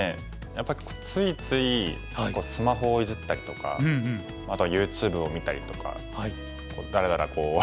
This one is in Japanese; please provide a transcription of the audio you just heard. やっぱりついついスマホをいじったりとかあとはＹｏｕＴｕｂｅを見たりとかだらだらこう。